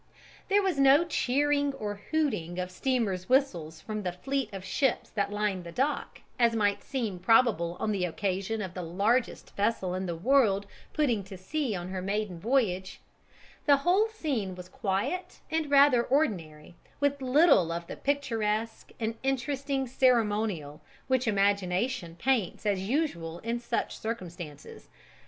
There was no cheering or hooting of steamers' whistles from the fleet of ships that lined the dock, as might seem probable on the occasion of the largest vessel in the world putting to sea on her maiden voyage; the whole scene was quiet and rather ordinary, with little of the picturesque and interesting ceremonial which imagination paints as usual in such circumstances.